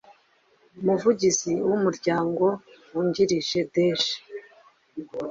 Umuvugizi w umuryango wungirije deje